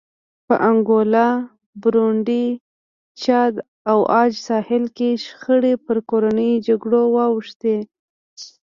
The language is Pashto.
په انګولا، برونډي، چاد او عاج ساحل کې شخړې پر کورنیو جګړو واوښتې.